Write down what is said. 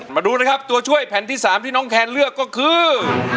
มาดูนะครับตัวช่วยแผ่นที่๓ที่น้องแคนเลือกก็คือ